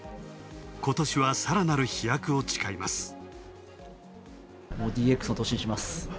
今年はさらなる飛躍を誓います。